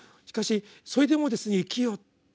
しかし「それでも生きよ」。